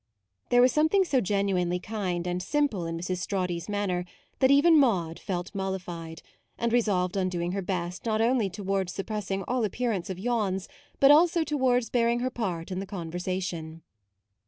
There was something so genuinely kind and simple in Mrs. Strawdy's manner, that even Maude felt molli fied, and resolved on doing her best not only towards suppressing all ap pearance of yawns, but also towards bearing her part in the conversa tion.